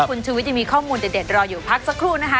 คุณชุวิตยังมีข้อมูลเด็ดรออยู่พักสักครู่นะคะ